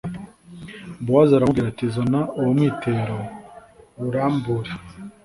bowazi aramubwira ati zana uwo mwitero uwurambure